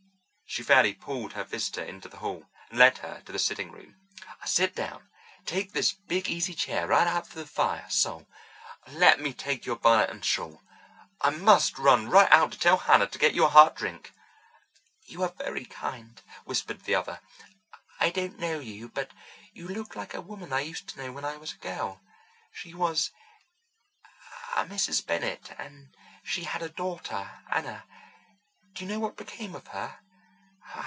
She fairly pulled her visitor into the hall, and led her to the sitting room. "Sit down. Take this big easy chair right up to the fire—so. Let me take your bonnet and shawl. I must run right out to tell Hannah to get you a hot drink." "You are very kind," whispered the other. "I don't know you, but you look like a woman I used to know when I was a girl. She was a Mrs. Bennett, and she had a daughter, Anna. Do you know what became of her?